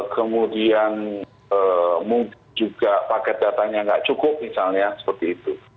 kemudian mungkin juga paket datanya nggak cukup misalnya seperti itu